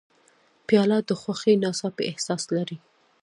پیاله د خوښۍ ناڅاپي احساس لري.